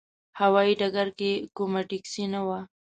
هوايي ډګر کې کومه ټکسي نه وه.